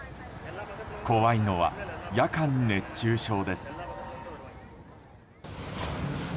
怖いのは夜間熱中症です。